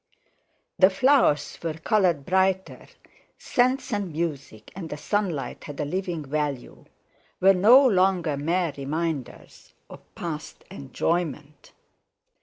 The flowers were coloured brighter, scents and music and the sunlight had a living value—were no longer mere reminders of past enjoyment.